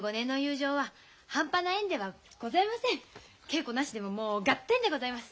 稽古なしでももう合点でございます。